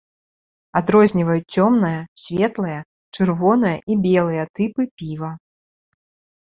Адрозніваюць цёмнае, светлае, чырвонае і белыя тыпы піва.